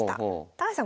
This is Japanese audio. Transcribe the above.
高橋さん